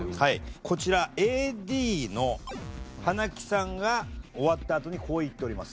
こちらＡＤの花木さんが終わったあとにこう言っております。